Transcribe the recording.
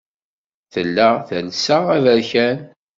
Tella telsa aberkan.